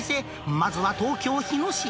まずは東京・日野市。